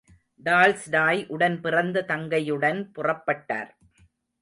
Tolstoy, உடன் பிறந்த தங்கையுடன் புறப்பட்டார்.